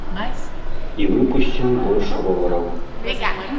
І выпусцім больш ровараў!